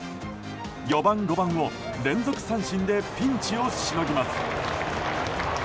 ４番５番を連続三振でピンチをしのぎます。